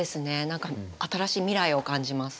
何か新しい未来を感じます。